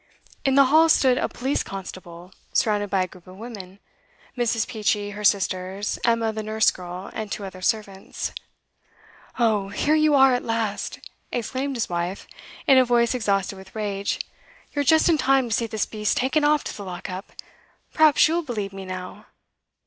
In the hall stood a police constable, surrounded by a group of women: Mrs. Peachey, her sisters, Emma the nurse girl, and two other servants. 'Oh, here you are at last!' exclaimed his wife, in a voice exhausted with rage. 'You're just in time to see this beast taken off to the lock up. Perhaps you'll believe me now!